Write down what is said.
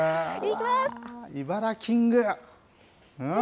イバラキング。